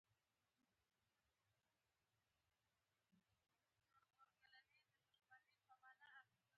نحوه د ژبي قانون دئ.